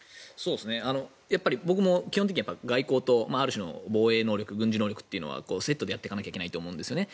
僕も基本的には外交とある種の防衛能力、軍事能力はセットでやっていかなきゃいけないと思うんですね。